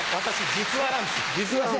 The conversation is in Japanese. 実話なんです。